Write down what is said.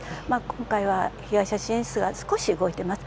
今回は被害者支援室が少し動いてます。